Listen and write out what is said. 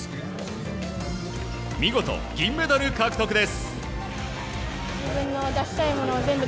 見事、銀メダル獲得です。